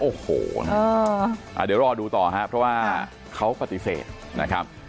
โอ้โหนะเดี๋ยวรอดูต่อครับเพราะว่าเขาปฏิเสธนะครับ